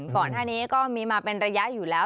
ก่อนหน้านี้ก็มีมาเป็นระยะอยู่แล้ว